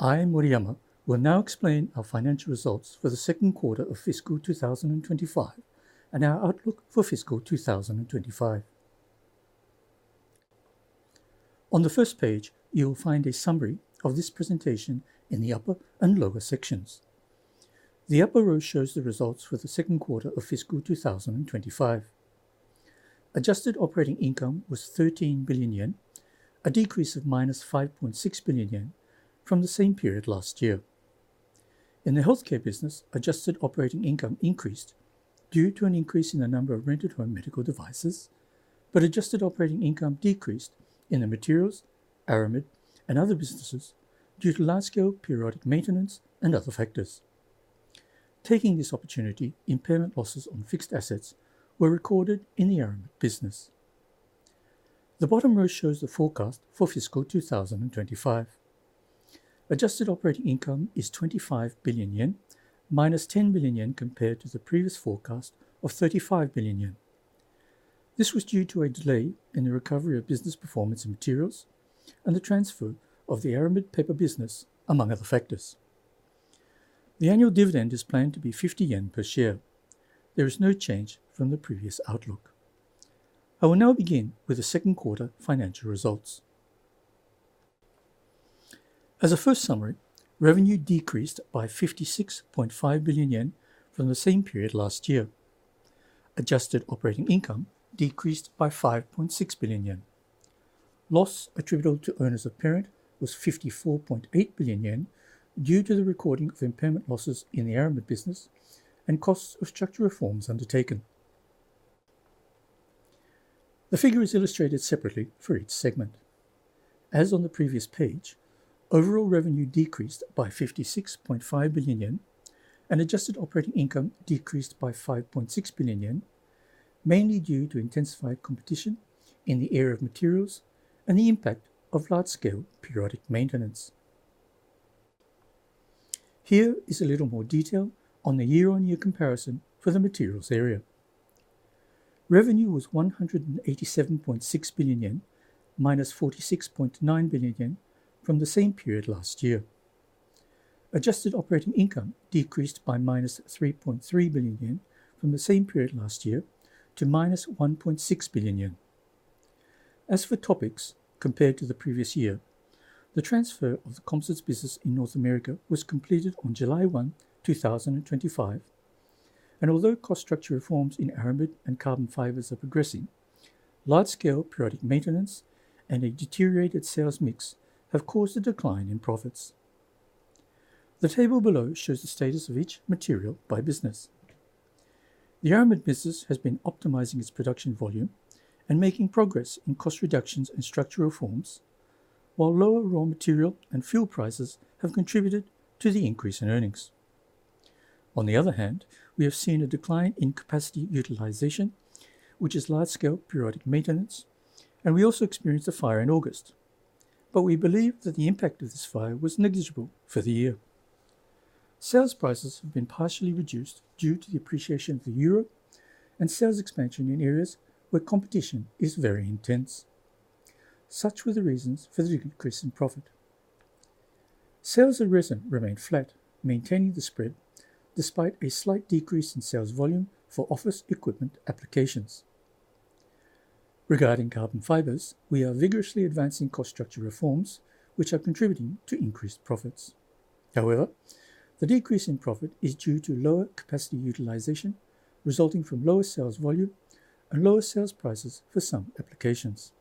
I am Moriyama. We'll now explain our financial results for the second quarter of fiscal 2025 and our outlook for fiscal 2025. On the first page, you'll find a summary of this presentation in the upper and lower sections. The upper row shows the results for the second quarter of fiscal 2025. Adjusted operating income was 13 billion yen, a decrease of minus 5.6 billion yen from the same period last year. In the healthcare business, adjusted operating income increased due to an increase in the number of rented home medical devices, but adjusted operating income decreased in the materials, aramid, and other businesses due to large-scale periodic maintenance and other factors. Taking this opportunity, impairment losses on fixed assets were recorded in the aramid business. The bottom row shows the forecast for fiscal 2025. Adjusted operating income is 25 billion yen, minus 10 billion yen compared to the previous forecast of 35 billion yen. This was due to a delay in the recovery of business performance in materials and the transfer of the aramid paper business, among other factors. The annual dividend is planned to be 50 yen per share. There is no change from the previous outlook. I will now begin with the second quarter financial results. As a first summary, revenue decreased by 56.5 billion yen from the same period last year. Adjusted operating income decreased by 5.6 billion yen. Loss attributable to owners apparent was 54.8 billion yen due to the recording of impairment losses in the aramid business and costs of structural reforms undertaken. The figure is illustrated separately for each segment. As on the previous page, overall revenue decreased by 56.5 billion yen, and adjusted operating income decreased by 5.6 billion yen, mainly due to intensified competition in the area of materials and the impact of large-scale periodic maintenance. Here is a little more detail on the year-on-year comparison for the materials area. Revenue was 187.6 billion yen, minus 46.9 billion yen from the same period last year. Adjusted operating income decreased by minus 3.3 billion yen from the same period last year to minus 1.6 billion yen. As for topics, compared to the previous year, the transfer of the composites business in North America was completed on July 1, 2025, and although cost structure reforms in aramid and carbon fibers are progressing, large-scale periodic maintenance and a deteriorated sales mix have caused a decline in profits. The table below shows the status of each material by business. The aramid business has been optimizing its production volume and making progress in cost reductions and structural reforms, while lower raw material and fuel prices have contributed to the increase in earnings. On the other hand, we have seen a decline in capacity utilization, which is large-scale periodic maintenance, and we also experienced a fire in August, but we believe that the impact of this fire was negligible for the year. Sales prices have been partially reduced due to the appreciation of the euro and sales expansion in areas where competition is very intense. Such were the reasons for the decrease in profit. Sales at resin remained flat, maintaining the spread despite a slight decrease in sales volume for office equipment applications. Regarding carbon fibers, we are vigorously advancing cost structure reforms, which are contributing to increased profits. However, the decrease in profit is due to lower capacity utilization resulting from lower sales volume and lower sales prices for some applications.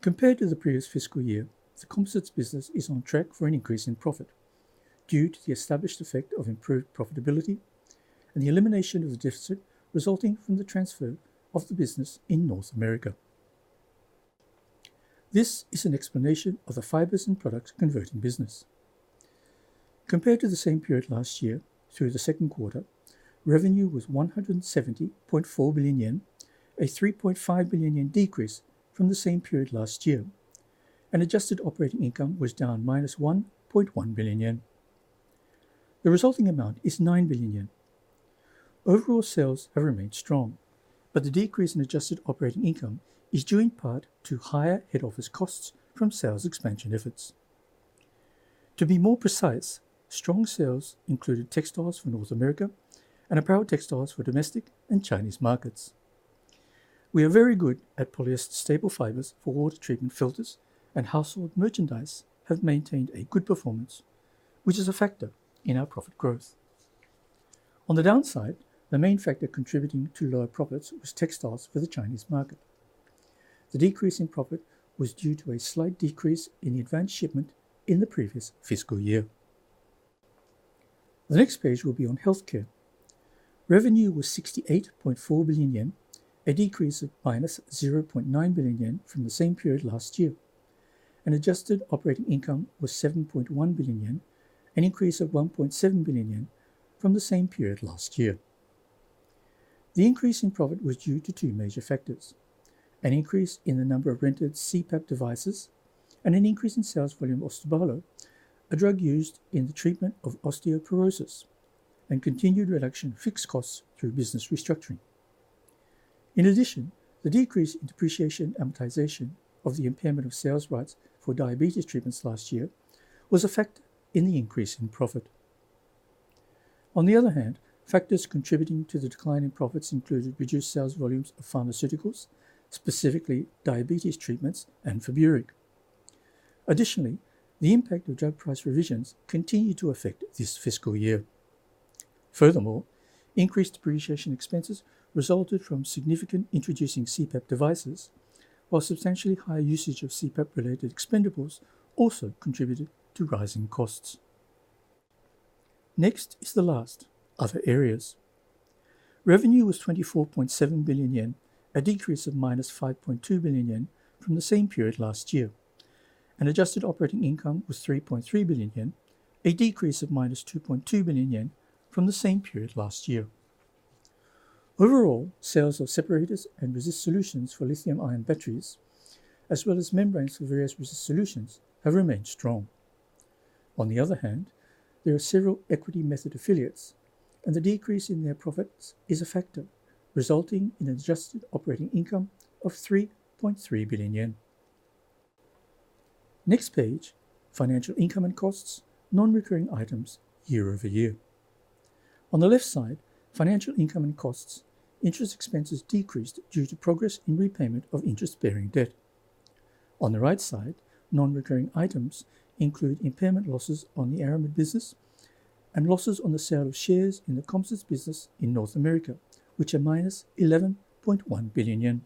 Compared to the previous fiscal year, the composites business is on track for an increase in profit due to the established effect of improved profitability and the elimination of the deficit resulting from the transfer of the business in North America. This is an explanation of the fibers and products converting business. Compared to the same period last year, through the second quarter, revenue was 170.4 billion yen, a 3.5 billion yen decrease from the same period last year, and adjusted operating income was down minus 1.1 billion yen. The resulting amount is 9 billion yen. Overall sales have remained strong, but the decrease in adjusted operating income is due in part to higher head office costs from sales expansion efforts. To be more precise, strong sales included textiles for North America and apparel textiles for domestic and Chinese markets. We are very good at polyester staple fibers for water treatment filters, and household merchandise have maintained a good performance, which is a factor in our profit growth. On the downside, the main factor contributing to lower profits was textiles for the Chinese market. The decrease in profit was due to a slight decrease in the advanced shipment in the previous fiscal year. The next page will be on healthcare. Revenue was 68.4 billion yen, a decrease of minus 0.9 billion yen from the same period last year, and adjusted operating income was 7.1 billion yen, an increase of 1.7 billion yen from the same period last year. The increase in profit was due to two major factors: an increase in the number of rented CPAP devices and an increase in sales volume of Ostobalo, a drug used in the treatment of osteoporosis, and continued reduction of fixed costs through business restructuring. In addition, the decrease in depreciation amortization of the impairment of sales rights for diabetes treatments last year was a factor in the increase in profit. On the other hand, factors contributing to the decline in profits included reduced sales volumes of pharmaceuticals, specifically diabetes treatments and Feburic. Additionally, the impact of drug price revisions continued to affect this fiscal year. Furthermore, increased depreciation expenses resulted from significantly introducing CPAP devices, while substantially higher usage of CPAP-related expendables also contributed to rising costs. Next is the last, other areas. Revenue was 24.7 billion yen, a decrease of 5.2 billion yen from the same period last year, and adjusted operating income was 3.3 billion yen, a decrease of 2.2 billion yen from the same period last year. Overall, sales of separators and resist solutions for lithium-ion batteries, as well as membranes for various resist solutions, have remained strong. On the other hand, there are several equity method affiliates, and the decrease in their profits is a factor resulting in adjusted operating income of 3.3 billion yen. Next page, financial income and costs, non-recurring items year-over-year. On the left side, financial income and costs, interest expenses decreased due to progress in repayment of interest-bearing debt. On the right side, non-recurring items include impairment losses on the aramid business and losses on the sale of shares in the composites business in North America, which are minus 11.1 billion yen.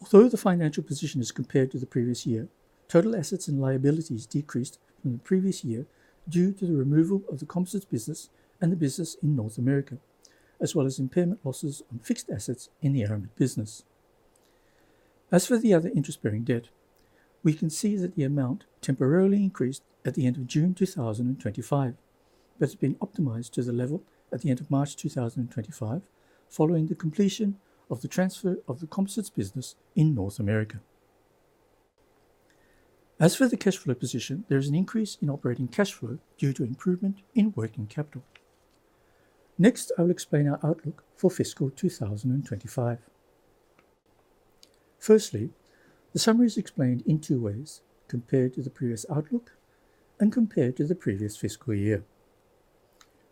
Although the financial position is compared to the previous year, total assets and liabilities decreased from the previous year due to the removal of the composites business and the business in North America, as well as impairment losses on fixed assets in the aramid business. As for the other interest-bearing debt, we can see that the amount temporarily increased at the end of June 2025, but has been optimized to the level at the end of March 2025, following the completion of the transfer of the composites business in North America. As for the cash flow position, there is an increase in operating cash flow due to improvement in working capital. Next, I will explain our outlook for fiscal 2025. Firstly, the summary is explained in two ways, compared to the previous outlook and compared to the previous fiscal year.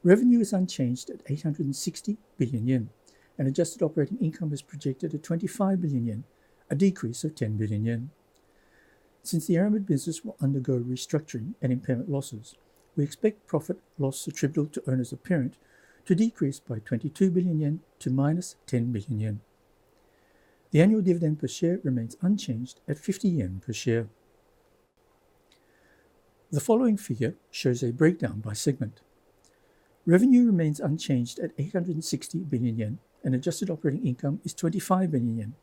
Revenue is unchanged at 860 billion yen, and adjusted operating income is projected at 25 billion yen, a decrease of 10 billion yen. Since the aramid business will undergo restructuring and impairment losses, we expect profit loss attributable to owners apparent to decrease by 22 billion yen to minus 10 billion yen. The annual dividend per share remains unchanged at 50 yen per share. The following figure shows a breakdown by segment. Revenue remains unchanged at 860 billion yen, and adjusted operating income is 25 billion yen.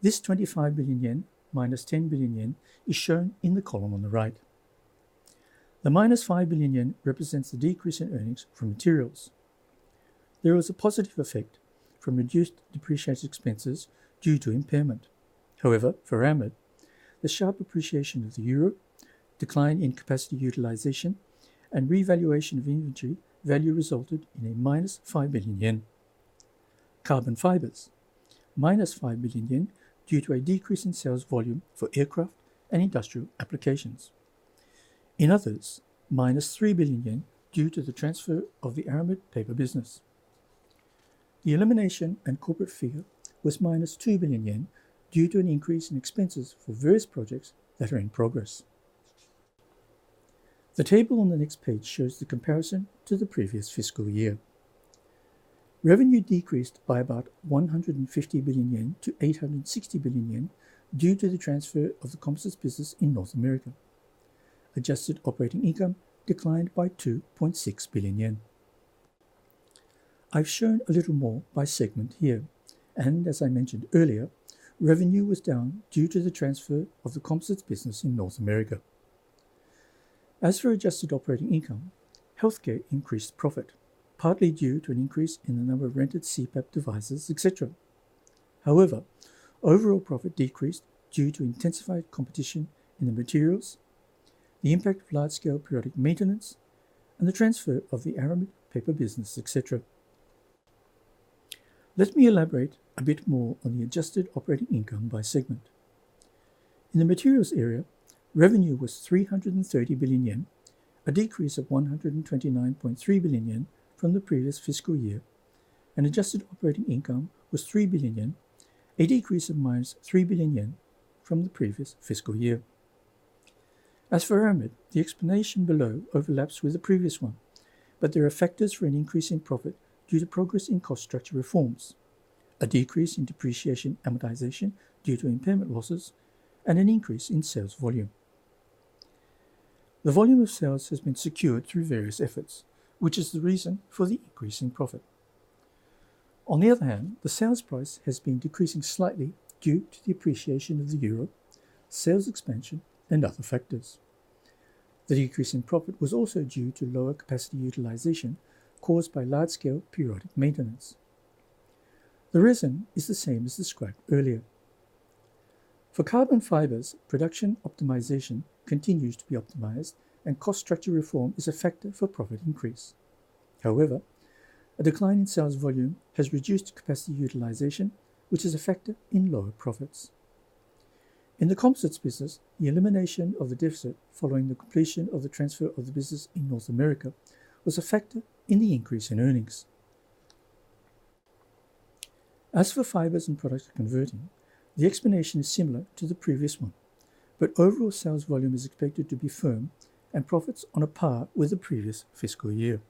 This 25 billion yen minus 10 billion yen is shown in the column on the right. The minus 5 billion yen represents the decrease in earnings from materials. There was a positive effect from reduced depreciation expenses due to impairment. However, for aramid, the sharp depreciation of the euro, decline in capacity utilization, and revaluation of inventory value resulted in a minus 5 billion yen. Carbon fibers, minus 5 billion yen due to a decrease in sales volume for aircraft and industrial applications. In others, minus 3 billion yen due to the transfer of the aramid paper business. The elimination and corporate figure was minus 2 billion yen due to an increase in expenses for various projects that are in progress. The table on the next page shows the comparison to the previous fiscal year. Revenue decreased by about 150 billion-860 billion yen due to the transfer of the composites business in North America. Adjusted operating income declined by 2.6 billion yen. I've shown a little more by segment here, and as I mentioned earlier, revenue was down due to the transfer of the composites business in North America. As for adjusted operating income, healthcare increased profit, partly due to an increase in the number of rented CPAP devices, etc. However, overall profit decreased due to intensified competition in the materials, the impact of large-scale periodic maintenance, and the transfer of the aramid paper business, etc. Let me elaborate a bit more on the adjusted operating income by segment. In the materials area, revenue was 330 billion yen, a decrease of 129.3 billion yen from the previous fiscal year, and adjusted operating income was 3 billion yen, a decrease of minus 3 billion yen from the previous fiscal year. As for aramid, the explanation below overlaps with the previous one, but there are factors for an increase in profit due to progress in cost structure reforms, a decrease in depreciation amortization due to impairment losses, and an increase in sales volume. The volume of sales has been secured through various efforts, which is the reason for the increase in profit. On the other hand, the sales price has been decreasing slightly due to the appreciation of the euro, sales expansion, and other factors. The decrease in profit was also due to lower capacity utilization caused by large-scale periodic maintenance. The resin is the same as described earlier. For carbon fibers, production optimization continues to be optimized, and cost structure reform is a factor for profit increase. However, a decline in sales volume has reduced capacity utilization, which is a factor in lower profits. In the composites business, the elimination of the deficit following the completion of the transfer of the business in North America was a factor in the increase in earnings. As for fibers and products converting, the explanation is similar to the previous one, but overall sales volume is expected to be firm and profits on a par with the previous fiscal year.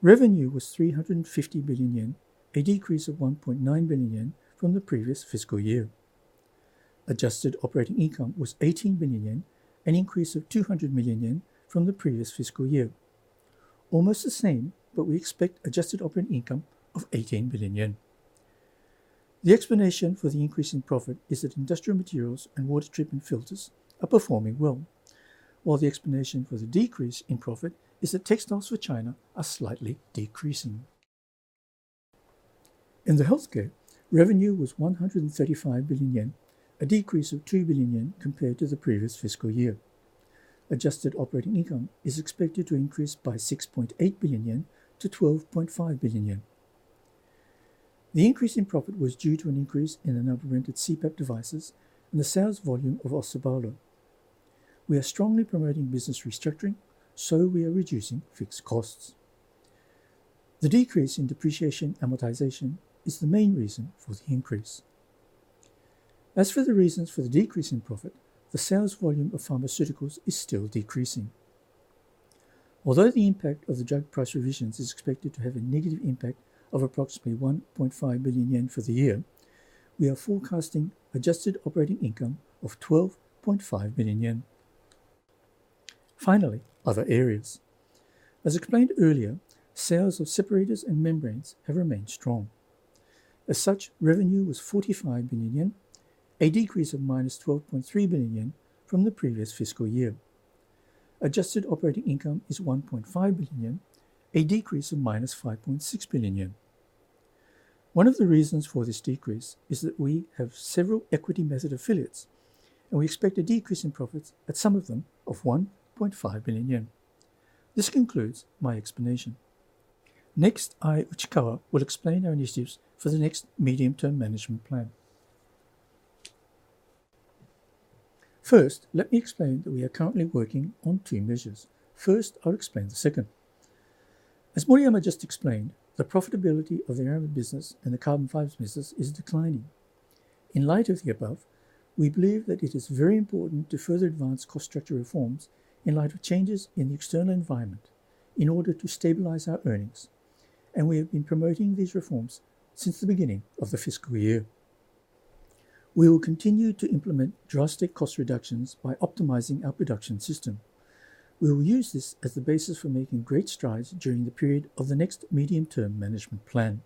Revenue was 350 billion yen, a decrease of 1.9 billion yen from the previous fiscal year. Adjusted operating income was 18 billion yen, an increase of 200 million yen from the previous fiscal year. Almost the same, but we expect adjusted operating income of 18 billion yen. The explanation for the increase in profit is that industrial materials and water treatment filters are performing well, while the explanation for the decrease in profit is that textiles for China are slightly decreasing. In healthcare, revenue was 135 billion yen, a decrease of 2 billion yen compared to the previous fiscal year. Adjusted operating income is expected to increase by 6.8 billion-12.5 billion yen. The increase in profit was due to an increase in the number of rented CPAP devices and the sales volume of Ostobalo. We are strongly promoting business restructuring, so we are reducing fixed costs. The decrease in depreciation amortization is the main reason for the increase. As for the reasons for the decrease in profit, the sales volume of pharmaceuticals is still decreasing. Although the impact of the drug price revisions is expected to have a negative impact of approximately 1.5 billion yen for the year, we are forecasting adjusted operating income of 12.5 billion yen. Finally, other areas. As explained earlier, sales of separators and membranes have remained strong. As such, revenue was 45 billion yen, a decrease of 12.3 billion yen from the previous fiscal year. Adjusted operating income is 1.5 billion yen, a decrease of 5.6 billion yen. One of the reasons for this decrease is that we have several equity method affiliates, and we expect a decrease in profits at some of them of 1.5 billion yen. This concludes my explanation. Next, Uchikawa will explain our initiatives for the next medium-term management plan. First, let me explain that we are currently working on two measures. First, I'll explain the second. As Uchikawa just explained, the profitability of the aramid business and the carbon fibers business is declining. In light of the above, we believe that it is very important to further advance cost structure reforms in light of changes in the external environment in order to stabilize our earnings, and we have been promoting these reforms since the beginning of the fiscal year. We will continue to implement drastic cost reductions by optimizing our production system. We will use this as the basis for making great strides during the period of the next medium-term management plan.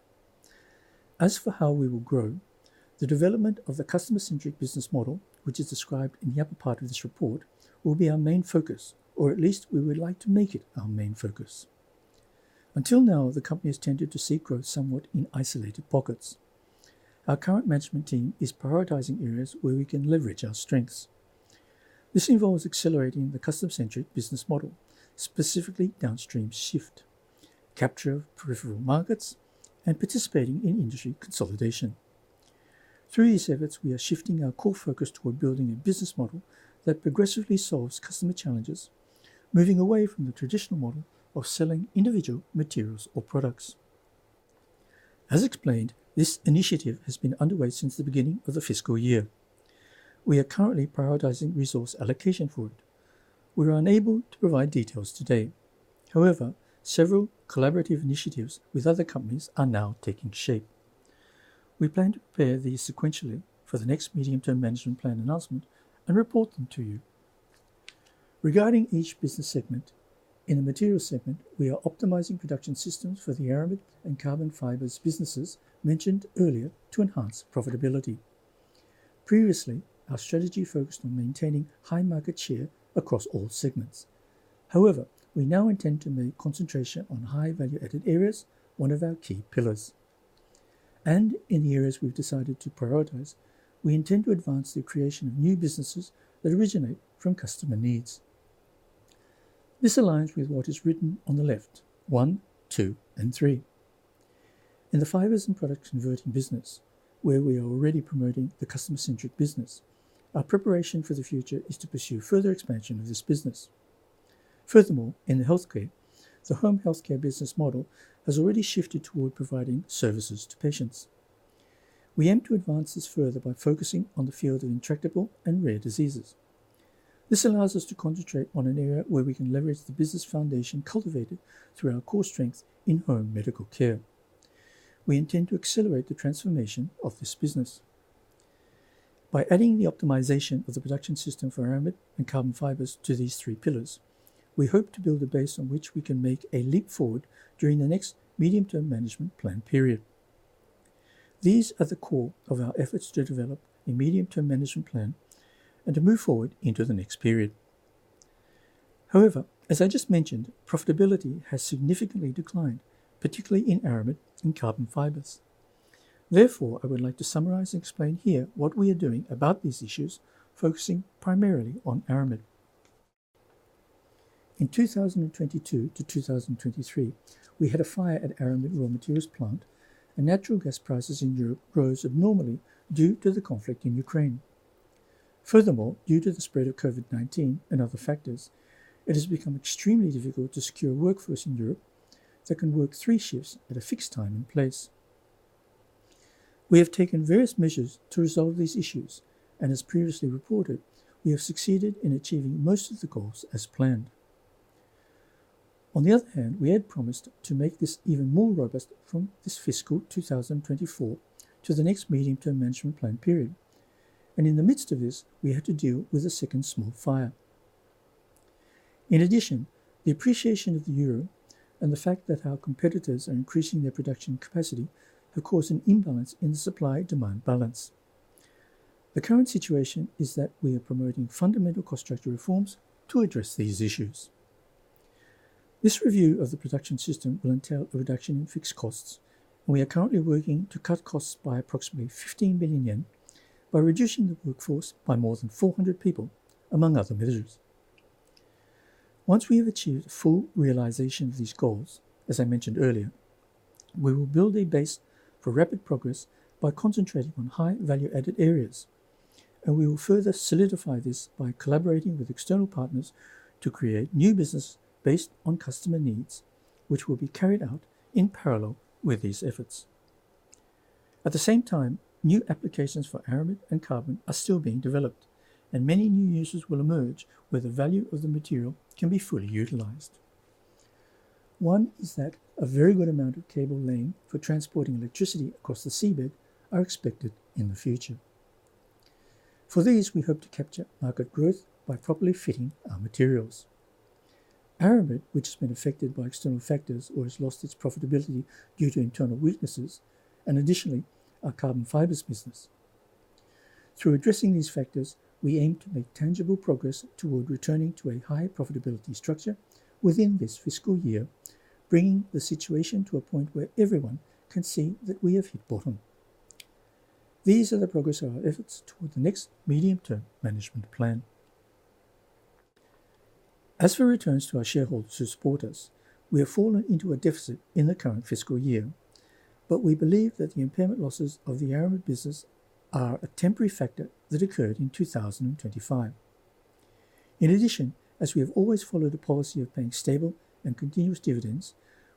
As for how we will grow, the development of the customer-centric business model, which is described in the upper part of this report, will be our main focus, or at least we would like to make it our main focus. Until now, the company has tended to see growth somewhat in isolated pockets. Our current management team is prioritizing areas where we can leverage our strengths. This involves accelerating the customer-centric business model, specifically downstream shift, capture of peripheral markets, and participating in industry consolidation. Through these efforts, we are shifting our core focus toward building a business model that progressively solves customer challenges, moving away from the traditional model of selling individual materials or products. As explained, this initiative has been underway since the beginning of the fiscal year. We are currently prioritizing resource allocation for it. We are unable to provide details today. However, several collaborative initiatives with other companies are now taking shape. We plan to prepare these sequentially for the next medium-term management plan announcement and report them to you. Regarding each business segment, in the materials segment, we are optimizing production systems for the aramid and carbon fibers businesses mentioned earlier to enhance profitability. Previously, our strategy focused on maintaining high market share across all segments. However, we now intend to make concentration on high value-added areas one of our key pillars. In the areas we've decided to prioritize, we intend to advance the creation of new businesses that originate from customer needs. This aligns with what is written on the left, one, two, and three. In the fibers and products converting business, where we are already promoting the customer-centric business, our preparation for the future is to pursue further expansion of this business. Furthermore, in healthcare, the home healthcare business model has already shifted toward providing services to patients. We aim to advance this further by focusing on the field of intractable and rare diseases. This allows us to concentrate on an area where we can leverage the business foundation cultivated through our core strengths in home medical care. We intend to accelerate the transformation of this business. By adding the optimization of the production system for aramid and carbon fibers to these three pillars, we hope to build a base on which we can make a leap forward during the next medium-term management plan period. These are the core of our efforts to develop a medium-term management plan and to move forward into the next period. However, as I just mentioned, profitability has significantly declined, particularly in aramid and carbon fibers. Therefore, I would like to summarize and explain here what we are doing about these issues, focusing primarily on aramid. In 2022-2023, we had a fire at our aramid raw materials plant, and natural gas prices in Europe rose abnormally due to the conflict in Ukraine. Furthermore, due to the spread of COVID-19 and other factors, it has become extremely difficult to secure workforce in Europe that can work three shifts at a fixed time in place. We have taken various measures to resolve these issues, and as previously reported, we have succeeded in achieving most of the goals as planned. On the other hand, we had promised to make this even more robust from this fiscal 2024 to the next medium-term management plan period. In the midst of this, we had to deal with a second small fire. In addition, the appreciation of the Euro and the fact that our competitors are increasing their production capacity have caused an imbalance in the supply-demand balance. The current situation is that we are promoting fundamental cost structure reforms to address these issues. This review of the production system will entail a reduction in fixed costs, and we are currently working to cut costs by approximately 15 billion yen by reducing the workforce by more than 400 people, among other measures. Once we have achieved full realization of these goals, as I mentioned earlier, we will build a base for rapid progress by concentrating on high value-added areas, and we will further solidify this by collaborating with external partners to create new business based on customer needs, which will be carried out in parallel with these efforts. At the same time, new applications for aramid and carbon are still being developed, and many new uses will emerge where the value of the material can be fully utilized. One is that a very good amount of cable laying for transporting electricity across the seabed is expected in the future. For these, we hope to capture market growth by properly fitting our materials. Aramid, which has been affected by external factors or has lost its profitability due to internal weaknesses, and additionally our carbon fibers business. Through addressing these factors, we aim to make tangible progress toward returning to a high profitability structure within this fiscal year, bringing the situation to a point where everyone can see that we have hit bottom. These are the progress of our efforts toward the next medium-term management plan. As for returns to our shareholders who support us, we have fallen into a deficit in the current fiscal year, but we believe that the impairment losses of the aramid business are a temporary factor that occurred in 2025. In addition, as we have always followed a policy of paying stable and continuous dividends,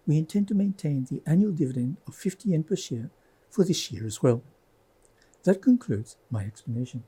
we intend to maintain the annual dividend of 50 yen per share for this year as well. That concludes my explanation.